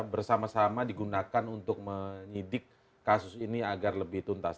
bersama sama digunakan untuk menyidik kasus ini agar lebih tuntas